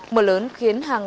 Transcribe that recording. mưa lớn khiến hàng loa